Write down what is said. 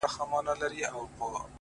د ناروا زوی نه یم؛